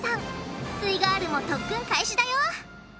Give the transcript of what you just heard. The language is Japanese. すイガールも特訓開始だよ